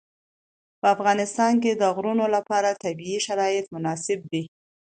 په افغانستان کې د غرونه لپاره طبیعي شرایط مناسب دي.